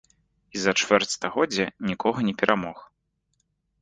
І за чвэрць стагоддзя нікога не перамог.